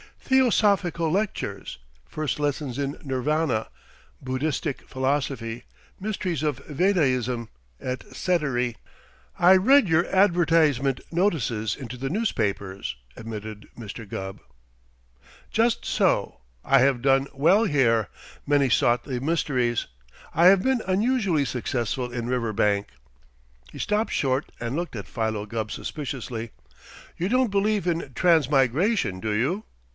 Theosophical lectures first lessons in Nirvana Buddhistic philosophy mysteries of Vedaism et cetery." "I read your advertisement notices into the newspapers," admitted Mr. Gubb. "Just so. I have done well here. Many sought the mysteries. I have been unusually successful in Riverbank." He stopped short and looked at Philo Gubb suspiciously. "You don't believe in transmigration, do you?"